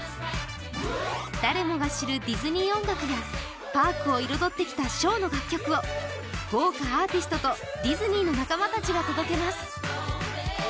誰もが知るディズニー音楽や、パークを彩ってきたショーの楽曲を豪華アーティストとディズニーの仲間たちが届けます。